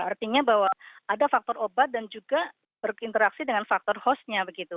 artinya bahwa ada faktor obat dan juga berinteraksi dengan faktor hostnya begitu